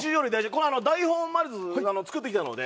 この台本をまず作ってきたので。